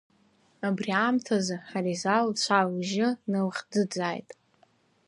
Абри аамҭазы, Ҳариза лцәа-лжьы налыхӡыӡааит.